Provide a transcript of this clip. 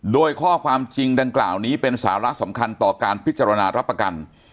โดยข้อความจริงดังกล่าวนี้เป็นสาระสำคัญต่อการพิจารณารับประกัน